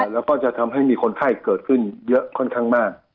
แล้วก็จะทำให้มีคนไข้เกิดขึ้นเยอะค่อนข้างมาก